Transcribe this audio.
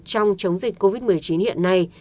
trong chống dịch covid một mươi chín hiện nay